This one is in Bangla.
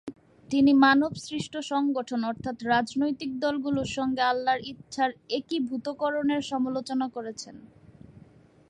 তিনি মানবসৃষ্ট সংগঠন অর্থাৎ রাজনৈতিক দলগুলোর সঙ্গে আল্লাহর ইচ্ছার একীভূতকরণের সমালোচনা করেছেন।